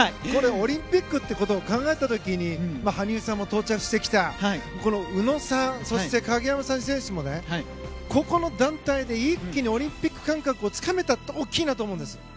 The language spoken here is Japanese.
これ、オリンピックってことを考えた時に羽生さんも到着してきた宇野さん、そして鍵山さんもここの団体で一気にオリンピック感覚をつかめたのは大きいなと思うんです。